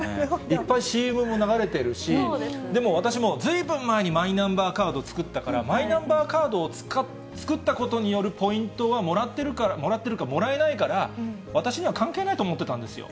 いっぱいＣＭも流れてるし、でも私も、ずいぶん前にマイナンバーカード作ったから、マイナンバーカードを作ったことによるポイントはもらえないから、私には関係ないと思ってたんですよ。